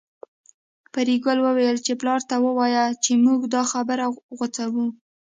پري ګلې وويل چې پلار ته ووايه چې موږ دا خبره غوڅوو